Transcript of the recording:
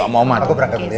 aku mau berangkat dulu ya